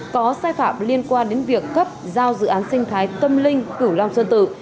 có sai phạm liên quan đến việc cấp giao dự án sinh thái tâm linh cửu long sơn tự